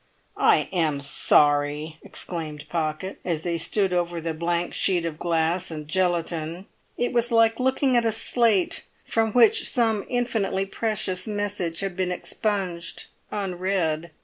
"I am sorry!" exclaimed Pocket, as they stood over the blank sheet of glass and gelatine; it was like looking at a slate from which some infinitely precious message had been expunged unread.